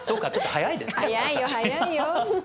早いよ早いよ。